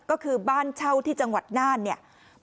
กลุ่มตัวเชียงใหม่